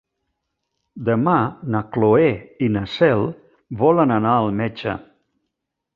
Demà na Cloè i na Cel volen anar al metge.